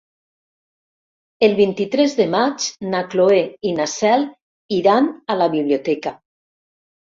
El vint-i-tres de maig na Cloè i na Cel iran a la biblioteca.